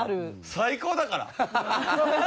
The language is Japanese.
「最高だから」。